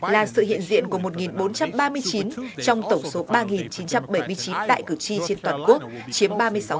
là sự hiện diện của một bốn trăm ba mươi chín trong tổng số ba chín trăm bảy mươi chín đại cử tri trên toàn quốc chiếm ba mươi sáu